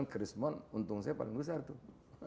chris mon untung saya paling besar tuh